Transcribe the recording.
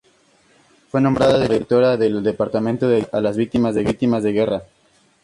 Fue nombrada directora del Departamento de Asistencia a las Víctimas de la Guerra.